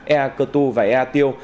ea cơ tu và ea tiêu